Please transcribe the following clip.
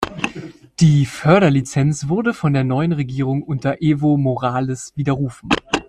Die Förderlizenz wurde von der neuen Regierung unter Evo Morales widerrufen.